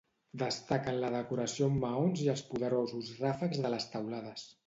Destaquen la decoració amb maons i els poderosos ràfecs de les teulades.